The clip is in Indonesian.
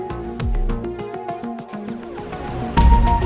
mau siapin nih